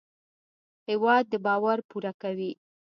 هېواد د باور پوره کوي.